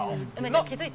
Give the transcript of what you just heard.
気付いた？